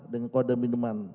dengan kode minuman